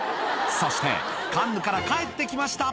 そして、カンヌから帰ってきました。